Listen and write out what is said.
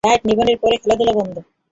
Light নিভানোর পর খেলাধুলা বন্ধ।